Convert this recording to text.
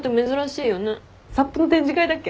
サップの展示会だっけ？